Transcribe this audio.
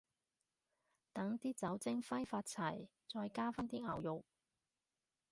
等啲酒精揮發齊，再加返啲牛肉